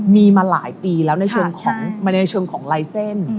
มีมาหลายปีแล้วในเชิงของลายเส้น